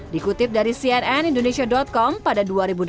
dikutip dari cnn indonesia com pada dua ribu delapan belas